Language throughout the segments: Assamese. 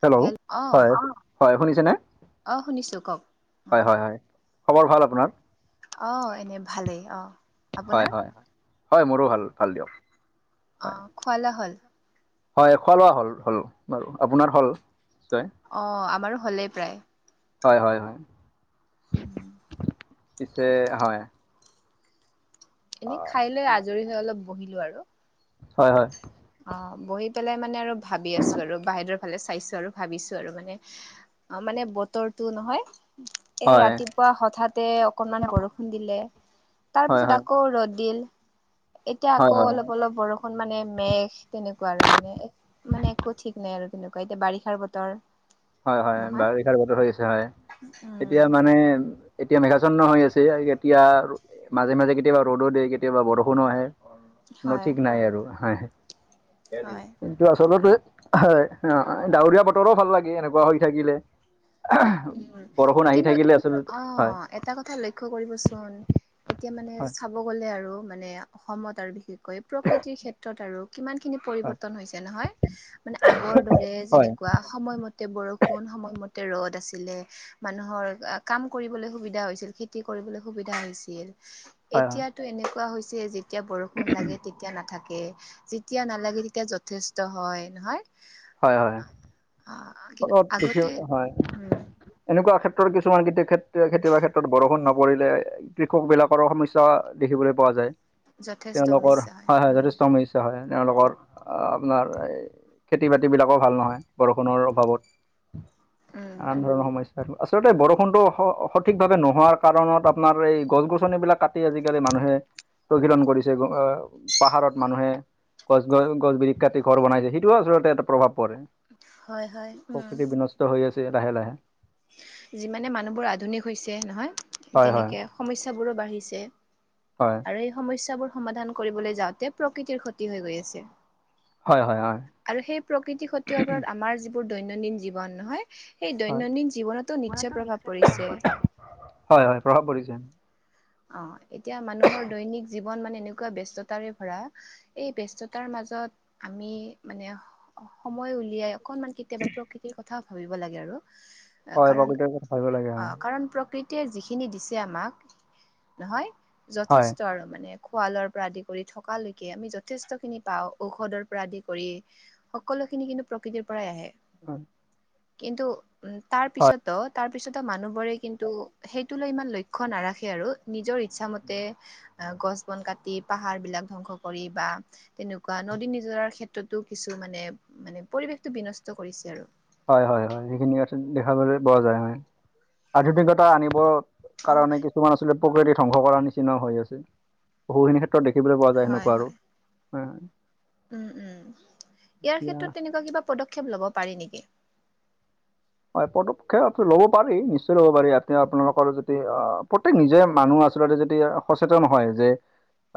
হেল্ল' হয় হয়, শুনিছে নে? অঁ শুনিছো কওক অঁ। খবৰ ভাল আপোনাৰ? অঁ এনে ভালেই অঁ। হয়, আপোনাৰ হয়, হয় মোৰো ভাল ভাল দিয়ক। হয় অঁ খোৱা লোৱা হ'ল? হয়, খোৱা লোৱা হ'ল হ'ল বাৰু। আপোনাৰ হ'ল নিশ্চয়? অ' আমাৰো হ'লেই প্ৰায়। হয় হয় হয়। [inaudible] পিছে হয় এনেই হয় খাই লৈ আজৰি হৈ অলপ বহিলো আৰু। হয় হয়। অঁ বহি পেলাই মানে আৰু ভাবি আছোঁ আৰু বাহিৰৰ ফালে চাইছোঁ আৰু ভাবিছোঁ আৰু মানে অ মানে বতৰটো নহয় এ হয় ৰাতিপুৱা হঠাতে অকনমান বৰষুণ দিলে, তাৰ হয় হয় পিছত আকৌ ৰ'দ দিল এতিয়া হয় হয় আকৌ অলপ অলপ বৰষুণ মানে মে তেনেকুৱা আৰু মানে মানে একো ঠিক নাই আৰু তেনেকুৱা এতিয়া বাৰিষাৰ বতৰ হয় হয়, নহয় বাৰিষাৰ বতৰ হৈ আছে হয় উম এতিয়া মানে এতিয়া মেঘাছন্ন হৈ আছে কেতিয়া মাজে মাজে কেতিয়াবা ৰ'দো দিয়ে কেতিয়াবা বৰষুণো আহে। কোন হয় ঠিক নাই আৰু হয় হে। আচলতে হয় ডাৱৰীয়া বতৰো ভাল লাগে এনেকুৱা হৈ থাকিলে। উম বৰষুণ আহি কিন্তু থাকিলে আচলতে অ হয় এটা কথা লক্ষ্য কৰিবচোন এতিয়া মানে হয় চাব গ'লে আৰু মানে অসমত আৰু বিশেষকৈ প্ৰকৃতিৰ ক্ষেত্ৰত আৰু কিমানখিনি হয় পৰিৱৰ্তন হৈছে নহয় মানে আগৰ দৰে হয় যেনেকুৱা সময়ম তে বৰষুণ সময়মতে ৰ'দ আ ছিলে মানুহৰ কাম কৰিবলৈ সুবিধা হৈছিল খেতি কৰিবলৈ সুবিধা হৈছিল। হয় এতিয়াতো এনেকুৱা হৈছে যেতিয়া বৰষুণ লাগে তেতিয়া নাথা কে যেতিয়া নালাগে তেতিয়া যথেষ্ট হয় নহয় হয় হয়। অ। ফলত দেখি হয় এনেকুৱা ক্ষেত্ৰত কিছুমান কেতিয়া ক্ষেত্ৰ কেতিয়াবা ক্ষেত্ৰত বৰষুণ নপৰিলে কৃষক বিলাকৰ সমস্যা দেখিবলৈ পোৱা যায়। যথেষ্ট তেওঁলোকৰ সমস্যা হয় হয় উম যথেষ্ট সমস্যা হয়। তেওঁলোকৰ আপোনাৰ এই খেতি বাতি বিলাকো ভাল নহয় বৰষুণৰ অভাৱত উম নানান ধৰণৰ সম আচলতে বৰষুণটো স সঠিকভাৱে নোহোৱাৰ কাৰণত আপোনাৰ এই গছ গছনি বিলাক কাটি আজিকালি মানুহে তহিলং কৰিছে আহ পাহাৰত মানুহে গছ গছ গছ বিৰিখ কাটি ঘৰ বনাইছে সেইটোও আচলতে এটা প্ৰভাৱ পৰে। হয় হয়। উম প্ৰকৃতি বিনষ্ট হৈ আছে লাহে লাহে। যিমানে মানুহবোৰ আধুনিক হৈছে নহয় হয় হয় তেনেকে সমস্যাবোৰো বাঢ়িছে। হয়। আৰু এই সমস্যাবোৰ সমাধান কৰিবলৈ যাওঁতে প্ৰকৃতিৰ ক্ষতি হৈ গৈ আছে। হয় হয় হয় আৰু সেই প্ৰকৃতি ক্ষতি হোৱাৰ ফলত আমাৰ যিবোৰ দৈনন্দিন জীৱন নহয় সেই হয় দৈনন্দিন জীৱনতো নিশ্চয় প্ৰভাৱ পৰিছে। হয় হয় প্ৰভাৱ পৰিছে। অ এতিয়া মানুহৰ দৈনিক জীৱন মানে এনেকুৱা ব্যস্ততাৰে ভৰা এই ব্যস্ততাৰ মাজত আমি মানে সময় উলিয়াই অকনমান কেতিয়াবা প্ৰকৃতিৰ কথাও ভাবিব লাগে আৰু। হয় কাৰণ প্ৰকৃতিৰ কথা ভাবিব লাগে হয় অ কাৰণ প্ৰকৃতিয়ে যিখিনি দিছে আমাক নহয় হয় যথেষ্ট আৰু মানে খোৱা লোৱাৰ পৰা আদি কৰি থকা লৈকে আমি যথেষ্টখিনি পাওঁ ঔষধৰ পৰা আদি কৰি। সকলোখিনি কিন্তু প্ৰকৃতিৰ পৰাই আহে। হয়। কিন্তু উম তাৰপিছতো তাৰ পিছতো মানুহবোৰে কিন্তু সেইটো লৈ ইমান লক্ষ্য নাৰাখে আৰু নিজৰ ইচ্ছা মতে আ গছ বন কাটি পাহাৰ বিলাক ধ্বংস কৰি বা তেনেকুৱা নদী নিজৰাৰ ক্ষেত্ৰতো কিছু মানে মানে পৰিৱেশটো বিনষ্ট কৰিছে আৰু। হয় হয় হয়, সেইখিনি আ দেখাবলৈ পোৱা যায় হয়। আধুনিকতা আনিবৰ অ', কাৰণে কিছু কিছুমান আচলতে প্ৰকৃতি ধ্বংস কৰাৰ নিচিনাও হৈ আছে। বহুখিনি ক্ষেত্ৰত দেখিবলৈ পোৱা যায় সেনেকুৱা আৰু। হয় হয়। উম উম, ইয়াৰ এতিয়া ক্ষেত্ৰত তেনেকুৱা কিবা পদক্ষেপ ল'ব পাৰি নেকি? হয় পদক্ষেপ ল'ব পাৰি নিশ্চয় ল'ব পাৰি ইয়াতে আপোনালোকৰ যদি অ প্ৰত্যেক নিজে মানুহ আছে আচলতে যদি সচেতন হয় যে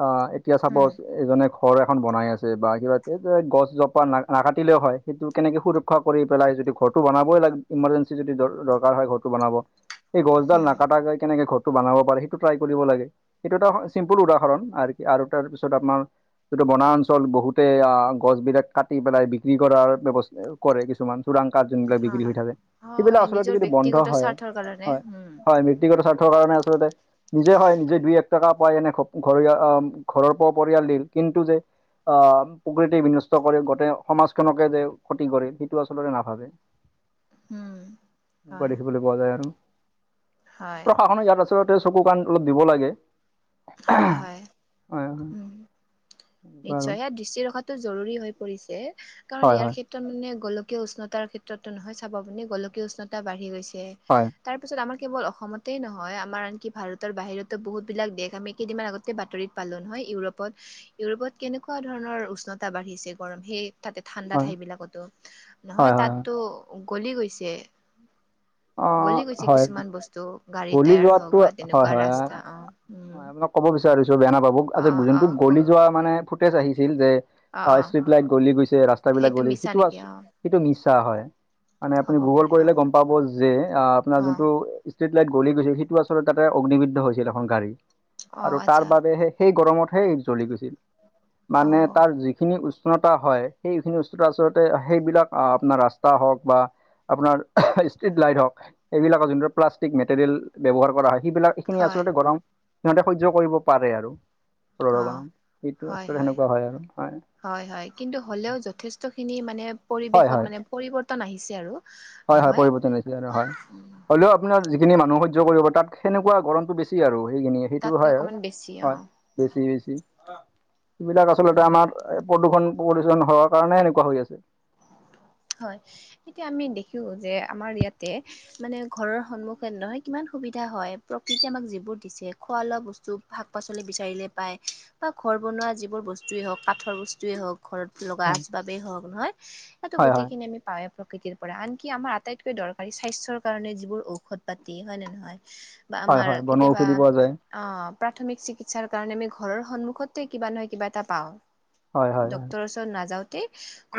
অ এতিয়া হুম, চাপউচ এজনে ঘৰ এখন বনাই আছে বা কিবা সেইটোৱে গছ জোপা না নাকাটিলেও হয় সেইটো কেনেকে সুৰক্ষা কৰি পেলাই যদি ঘৰটো বনাবই লাগে ইমাৰ্জেঞ্চি যদি দ দৰকাৰ হয় ঘৰটো বনাব এই গছডাল হুম, নাকাটাকৈ কেনেকে ঘৰ টো বনাব পাৰে সেইটো ট্ৰাই কৰিব লাগে। এইটো এটা চিম্পুল উদাহৰণ আৰু আৰু তাৰপিছত আপোনাৰ যিটো বনাঞ্চল বহুতে আ গছ বিলাক কাটি পেলাই বিক্ৰী কৰাৰ ব্যৱস্থা কৰে কিছুমান। চোৰাং কঠ যোনবিলাক বিক্ৰী হয়। হৈ থাকে হয়, সেইবিলাক নিজৰ আচলতে যদি বন্ধ ব্যক্তিগত হয়, স্বাৰ্থৰ কাৰণে হয় হুম, হয় ব্যক্তিগত স্বাৰ্থৰ কাৰণে আচলতে নিজে হয় নিজে দুই এক টকা পায় এনে ঘ ঘৰ অ ঘৰৰ প পৰিয়াল দিল কিন্তু যে আহ প্ৰকৃতি বিনষ্ট কৰে গোটেই সমাজখনকে যে ক্ষতি কৰে সেইটো আচলতে নাভাবে। হুম, এনেকুৱা হয়। দেখিবলৈ পোৱা যায় আৰু হয়, প্ৰশাসনে ইয়াত আচলতে চকু কাণ অলপ দিব লাগে। হয় হয়, হয় হয় এনেকুৱা আৰু নিশ্চয় সেয়াত দৃষ্টি ৰখাটো জৰুৰী হৈ পৰিছে কাৰণ হয় ইয়াৰ হয় ক্ষে তাৰ মানে গলীয় উষ্ণতাৰ ক্ষেত্ৰটো নহয় চাব গলে গোলকীয় উষ্ণতা বাঢ়ি গৈছে হয় তাৰ পিছত আমাৰ কেৱল অসমতেই নহয় আমাৰ আনকি ভাৰতৰ বাহিৰতো বহুত বিলাক দেশ আমি কেইদিনমান আগতে বাতৰিত পালো নহয় ইউৰোপত ইউৰোপত কেনেকুৱা ধৰণৰ উষ্ণতা বাঢ়িছে গৰম সেই তাতে ঠাণ্ডা হয় ঠাই বিলাকতো, হয় নহয় হয় হয় তাতো গলি গৈছে। অ গলি গৈছে হয় কিছুমান বস্তু গাড়ী গলি টায়াৰ যোৱাটো হওঁক বা হয় তেনেকুৱা হয় ৰাস্তা অঁহ হয় আপোনাক ক'ব বিচাৰিছো বেয়া নাপাব আজি অ অ জোনটো গলি কওক যোৱা মানে ফুটেজ আহিছিল যে অ আহ অ ষ্ট্ৰিট লাইট গলি গৈছে ৰাস্তা বিলাক গলি গৈছে মিছা সেইটো আ নেকি অ সেইটো মিছা হয় মানে আপুনি হ'ব গুগল পাৰে অ কৰিলে গম পাব যে, আপোনাৰ অ যোনটো ষ্ট্ৰিট লাইট গলি গৈছিল যিটো আচলতে তাতে অগ্নিবদ্ধ হৈছিল এখন গাড়ী অ আৰু তাৰ আচ্ছা বাবেহে সেই গৰমতহে জ্বলি গৈছিল অ মানে তাৰ যিখিনি উ উষ্ণতা হয়, সেইখিনি উষ্ণতা আচলতে সেইবিলাক আপোনাৰ ৰাস্তা হওক বা আপোনাৰ টিউব লাইট হওক এইবিলাকৰ যোনটো প্লাষ্টিক মেটেৰিয়েল ব্যৱহাৰ কৰা হয় সেইবিলাক এইখিনি হয় আচলতে গৰম সিহঁতে সহ্য কৰিব পাৰে আৰু অ গৰমত সেইটো আচলতে সেনেকুৱা হয় আৰু হয় হয় হয়, কিন্তু হ'লেও যথেষ্টখিনি মানে হয় হয় পৰিৱেশত মানে পৰিৱৰ্তন আহিছে আৰু। হয় হয়, নহয় পৰিৱৰ্তন হৈছে আৰু হয়। হলেও আপোনাৰ যিখিনি মানুহ সহ্য কৰিব তাত সেনেকুৱা গৰমতো বেছি আৰু সেইখিনি। সেইটো তাতকৈ হয়, অকণমান বেছি অ হয় বেছি সেইবিলাক আচলতে উম আমাৰ এই প্ৰদূষণ প্ৰলূষণ হোৱাৰ কাৰণে এনেকুৱা হৈ আছে। হয়, এতিয়া আমি দেখিলো যে আমাৰ ইয়াতে মানে ঘৰৰ সন্মুখন নহয় কিমান সুবিধা হয় প্ৰকৃতিয়ে আমাক যিবোৰ দিছে খোৱা লোৱা ব স্তু, শাক পাচলি বিচাৰিলে পায় বা ঘৰ বনোৱা যিবোৰ বস্তুৱেই হওক কাঠৰ বস্তুৱেই হওক ঘৰত লগা আ বাবেই হওক নহয় সেইটো হয় হয় গোটেইখিনি আমি পাওঁৱেই প্ৰকৃতিৰ পৰা আনকি আমাৰ আটাইতকৈ দৰকাৰী স্বাস্থ্যৰ কাৰণে যিবোৰ ঔষধ পাতি হয় নে নহয়? বা হয় আমাৰ হয় বনৰ কেতিয়াবা ঔষধি পোৱা যায় অঁ প্ৰাথমিক চিকিৎসাৰ কাৰণে আমি ঘৰৰ সন্মুখত কিবা নহয় কিবা এটা পাওঁ। হয় হয় হয় ডক্তৰৰ ওচৰত নাযাওঁতে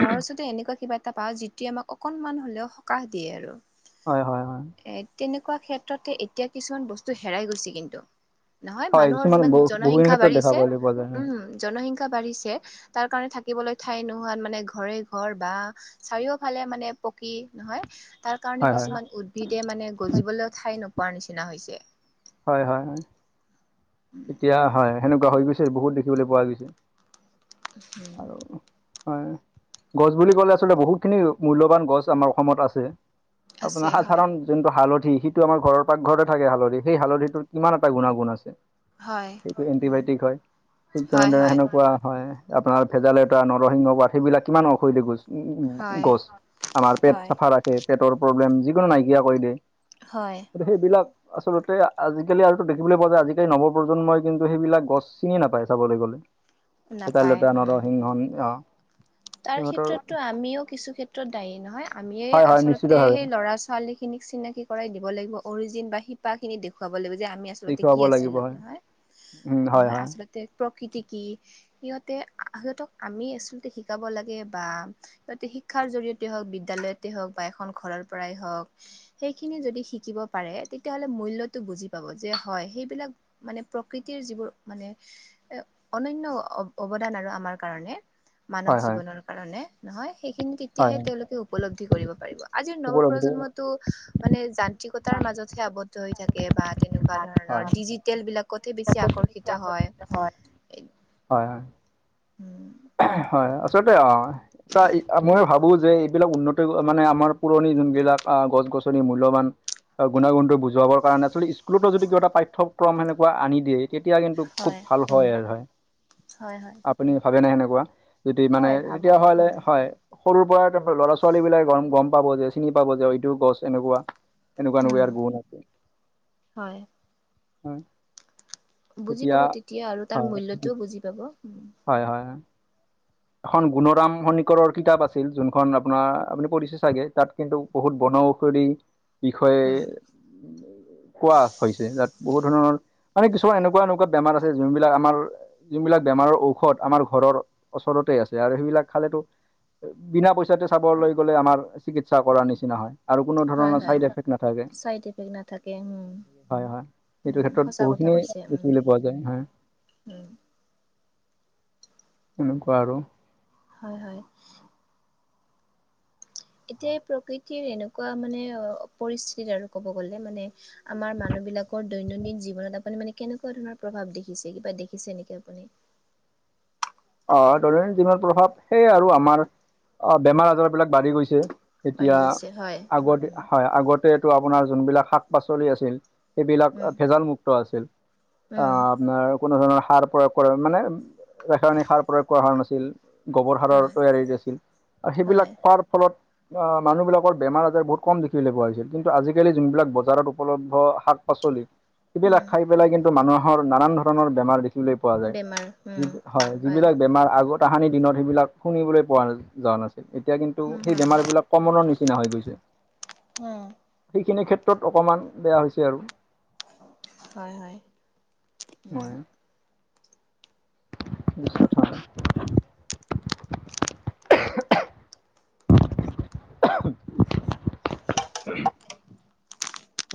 ঘৰৰ ওচৰতে এনেকুৱা কিবা এটা পাওঁ, যিটোৱে আমাক অকনমান হলেও সকাহ দিয়ে আৰু। হয় হয়। হয় এ তেনেকুৱা ক্ষেত্ৰতে এতিয়া কিছুমান বস্তু হেৰাই গৈছে কিন্তু। নহয় হয় মানুহৰ কিছুমান যিমান বহু বহুখিনি জনসংখ্যা ক্ষেত্ৰত দেখা বাঢ়িছে পাবলৈ পোৱা যায় হয় উম জনসংখ্যা বাঢ়িছে তাৰ কাৰণে থাকিবলৈ ঠাই নোহোৱাত মানে ঘৰে ঘৰ বা চাৰিওফালে মানে পকী নহয় তাৰ কাৰণ হয় কিছুমান উ দ্ভিদে মানে গজিবলৈও ঠাই নোপোৱাৰ নিচিনা হৈছে। হয় হয়। এতিয়া হয় সেনেকুৱা হৈ গৈছে বহুত দেখিবলৈ পোৱা গৈছে। আৰু হয় গছ বুলি ক'লে আচলতে বহুতখিনি মূল্যবান গছ আমাৰ অসমত আছে। আছে আপোনাৰ হয় সাধাৰণ যোনটো হালধি যিটো আমাৰ ঘৰৰ পাকঘৰতে থাকে হালধি, সেই হালধিটোৰ কিমান এটা গুণাগুণ আছে। হয় সেইটোয়ে উম এণ্টিবায়টিক হয়, ঠিক হয় তেনেদৰে হয় সেনেকুৱা হয়। আপোনাৰ ভেদাই লতা, নৰসিংহ পাত সেইবিলাক কিমান ঔষধি গছ। উম উম উম, হয় গছ আমাৰ পেট হয় চাফা ৰাখে পেটৰ প্ৰব্লেম যিকোনো নাইকিয়া কৰি দিয়ে। হয়। এতিয়া সেইবিলাক আচলতে আজিকালি আৰুতো দেখিবলৈ পোৱা যায় আজিকালি নৱ প্ৰজন্মই কিন্তু সেইবিলাক গছ চিনিয়ে নাপায় চাবলৈ গ'লে। ভেদাই নাপায় লতা, উম। নৰসিংহ উম অহ। তাৰ ক্ষেত্ৰতো আমিও কিছু ক্ষেত্ৰত দায়ী নহয় আমিয়ে হয় হয় আচলতে নিশ্চিতভাৱে সেই ল'ৰা ছোৱালীক খিনিক চিনাকি কৰাই দিব লাগিব অৰিজিন বা শিপা খিনি দেখুৱাব লাগিব যে আমি আ আচলতে দেখুৱাব কি লাগিব আছিলোঁ। হয় নহয় উম হয় নহয় হয় আচ লতে প্ৰকৃতি কি সিহঁতে সিহঁতক আমি আচলতে শিকাব লাগে বা সিহঁতি শিক্ষাৰ জৰিয়তে হওঁক বিদ্যালয়তে হওঁক বা এখন ঘৰৰ পৰাই হওঁক সেইখিনি যদি শিকিব পাৰে তেতিয়াহলে মূল্যটো বুজি পাব যে হয় সেইবিলাক মানে প্ৰকৃতিৰ যিবোৰ মানে এ অনান্য অ অৱদান আৰু আমাৰ কাৰণে মানৱ হয় হয় জীৱনৰ কাৰণে নহয় সেইখিনি হয় তেতিয়াহে হয় তেওঁলোকে উপলব্ধি কৰিব পাৰিব। আজিৰ ওপৰ নৱপ্ৰজন্মটো মানে যান্ত্ৰিকতাৰ মাজতহে আৱদ্ধ হৈ থাকে বা তেনেকুৱা ধৰণৰ ডিজিটেল বিলাকতহে বেছি আকৰ্ষিত হয় এই হয় হয়। উম। এহ, হয় আচলতে অহ চোৱা মই ভাবোঁ যে এইবিলাক উন্নত মানে আমাৰ পুৰণি যোনবিলাক আহ গছ গছনি মূল্যৱান অ গুণাগুণটো বুজাবৰ কাৰণে আচলতে স্কুলতো যদি কিবা এটা পাঠ্যক্ৰম সেনেকুৱা আনি দিয়ে। তেতিয়া কিন্তু খুব ভাল হয় আৰু হয়। হয় হয় আপুনি ভাবেনে সেনেকুৱা? যদি মানে হয় ভাবো তেতিয়াহলে উম হয় সৰুৰ পৰাই তামানে ল'ৰা - ছোৱালী বিলাকে গম গম পাব যে চিনি পাব যে অ এইটো গছ এনেকুৱা, এনেকুৱা এনেকুৱা উম ইয়াৰ গুণ আছে। হয় হয়। বুজি পাব তেতিয়া আৰু তাৰ হয় মূল্যটোও বুজি পাব। হয় হয় এ। এখন গুণৰাম শনিকৰৰ কিতাপ আছিল যোনখন আপোনাৰ আপুনি পঢ়িছে চাগে তাত কিন্তু বহুত বনৌষধি বিষয়ে উম, কোৱা হৈছে য'ত বহুত ধৰণৰ মানে কিছুমান এনেকুৱা এনেকুৱা বেমাৰ আছে যোনবিলাক আমাৰ যোনবিলাক বেমাৰৰ ঔষধ আমাৰ ঘৰৰ ওচৰতে আছে আৰু সেইবিলাক খালেতো বিনা পইচাতে চাবলৈ গ'লে আমাৰ চিকিৎসা কৰাৰ নিচিনা হয়। আৰু কোনো হয় ধৰণৰ হয় চাইড এফেক্ট নাথাকে। চাইড ইফেক্ট নাথাকে উম হয় হয়। এইটো উম, ক্ষেত্ৰত সঁচা কথা বহুখিনিয়ে কৈছে উম দেখিবলৈ পোৱা যায়। উম। উম কোৱা আৰু? হয় হয়। এতিয়া এই প্ৰকৃতিৰ এনেকুৱা মানে অ পৰিস্থিতিত আৰু ক'ব গ'লে মানে আমাৰ মানুহ বিলাকৰ দৈনন্দিন জীৱনত আপুনি মানে কেনেকুৱা ধৰণৰ প্ৰভাৱ দেখিছে? কিবা দেখিছে নেকি আপুনি? অ দৈনন্দিন জীৱন প্ৰভাৱ সেয়ে আৰু আমাৰ অ বেমাৰ আজাৰ বিলাক বাঢ়ি গৈছে। বাঢ়ি এতিয়া গৈছে হয় আগতে উম হয় আগতেটো আপোনাৰ যোনবিলাক শাক পাচলি আছিল। সেইবিলাক উম ভেজাল মুুক্ত আছিল। অ উম আপোনাৰ কোনো ধৰণৰ সাৰ প্ৰয়োগ কৰে মানে ৰাসায়নিক সাৰ প্ৰয়োগ কৰা হোৱা নাছিল। গোবৰ সাৰৰ হয় তৈয়াৰী আছিল আৰু সেইবিলাক হয় খোৱাৰ ফলত অ মানুহ বিলাকৰ বেমাৰ আজাৰ বহুত কম দেখিবলৈ পোৱা গৈছিল। কিন্তু আজিকালি যোনবিলাক বজাৰত উপলব্ধ শাক পাচলি, সেইবিলাক উম খাই পেলাই কিন্তু মানুহৰ নানান ধৰণৰ বেমাৰ দেখি বেমাৰ উম। হয়, যিবিলাক বেমাৰ আগৰ তাহানি দিনত, সেইবিলাক শুনিবলৈ পোৱা যোৱা নাছিল। এতিয়া কিন্তু উম সেই হুম বেমাৰবিলাক কমনৰৰ নিচিনা হৈ গৈছে, উম সেইখিনি ক্ষেত্ৰত অকমান বেয়া হৈছে আৰু। হয় হয়, মই উম। [inaudible] [inaudible] [inaudible]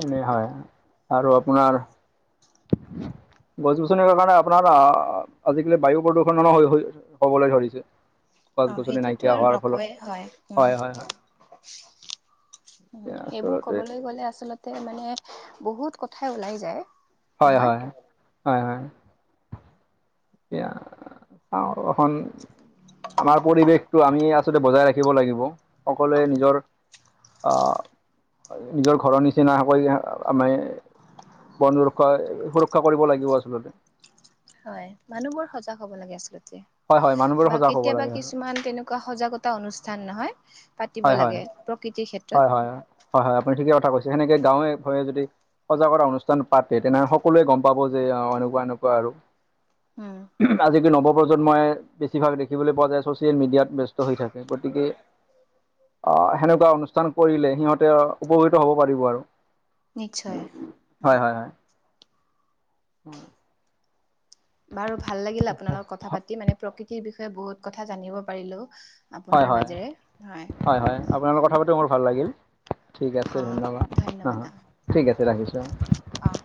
এনেই হয় আৰু আপোনাৰ গছ গছনিৰ কাৰণে আপোনাৰ আহ আজিকালি বায়ু প্ৰদূষণো হৈ হৈ হবলৈ ধৰিছে। গছ অঁ গছনি সেইটোতো নাইকিয়া আৰু হোৱাৰ ফলত নকয়ে হয় উম হয় হয় হয় এতিয়া সেইবোৰ আচলতে ক'বলৈ গ'লে আচলতে মানে বহুত কথাই ওলাই যায়। হয় নহয় হয়, হয় হয়। এতিয়া চাওঁ এখন আমাৰ পৰিৱেশটো আমি আ ছলতে বজাই ৰাখিব লাগিব, সকলোৱে নিজৰ আহ নিজৰ ঘৰৰ নিচিনাকৈ আমি বন ৰুক্ষ সুৰক্ষা কৰিব লাগিব আচলতে। হয় মানুহ বোৰ সজাগ হ'ব লাগে আচলতে হয় হয় মানুহবোৰ বা সজাগ হ'ব কেতিয়াবা লাগে কিছুমান তেনে কুৱা সজাগতা অনুষ্ঠান নহয় পাতিব হয় হয় লাগে প্ৰকৃতিৰ হয় ক্ষেত্ৰত। হয় হয় হয়, আপুনি ঠিকে কথা কৈছে। সেনেকে গাঁৱে ভূঁইয়ে যদি সজাগতা অনুষ্ঠান পাতে তেনেহলে সকলোৱে গম পাব যে অঁ এনেকুৱা এনেকুৱা আৰু। উম আজি কি নৱপ্ৰজন্মই বেছিভাগ দেখিবলৈ পোৱা যায় ছচিয়েল মিডিয়াত ব্যস্ত হৈ থাকে গতিকে আহ সেনেকুৱা অনুষ্ঠান কৰিলে সিহঁতে উপকৃত হব পাৰিব আৰু। নিশ্চয়। হয় হয় হয় বাৰু ভাল লাগিল আপোনাৰ লগত কথা পাতি, মানে প্ৰকৃতিৰ বিষয়ে বহুত কথা জানিব পাৰিলো। হয় আপোনাৰ হয়, মাজেৰে হয় হয়, আপোনাৰ লগত কথা পাতি মোৰ ভাল লাগিল। ঠিক আছে অ ধন্যবাদ, আহ ঠিক আছে ৰাখিছো। অঁহ।